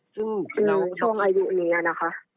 ช่วงอายุนี้นะคะ